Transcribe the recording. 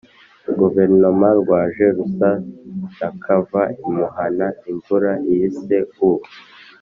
guverinoma rwaje rusa n'akava imuhana imvura ihise. u